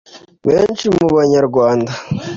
Benshi mu Banyarwanda